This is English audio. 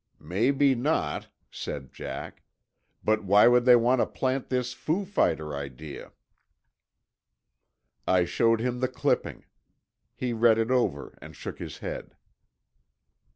"Maybe not," said Jack, "but why would they want to plant this foo fighter idea?" I showed him the clipping. He read it over and shook his head.